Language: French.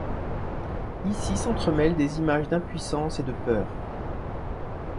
Ici s'entremêlent des images d'impuissance et de peur.